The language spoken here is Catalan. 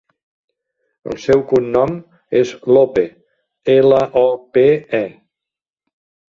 El seu cognom és Lope: ela, o, pe, e.